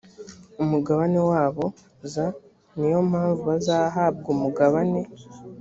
umugabane wabo z ni yo mpamvu bazahabwa umugabane